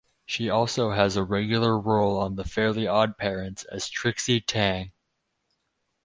She also has a regular role on "The Fairly OddParents" as Trixie Tang.